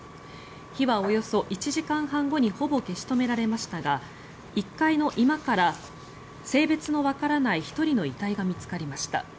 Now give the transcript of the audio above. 火はおよそ１時間半後にほぼ消し止められましたが１階の居間から性別のわからない１人の遺体が見つかりました。